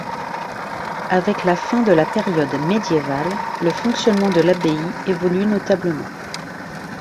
Avec la fin de la période médiévale, le fonctionnement de l'abbaye évolue notablement.